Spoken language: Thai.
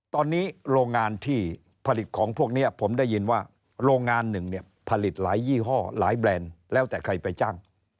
ตอนนี้โรงงานที่ผลิตของพวกนี้ผมได้ยินว่าโรงงานหนึ่งเนี่ยผลิตหลายยี่ห้อหลายแบรนด์แล้วแต่ใครไปจ้าง